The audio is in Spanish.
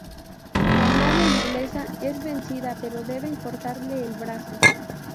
La nave inglesa es vencida, pero deben cortarle el brazo.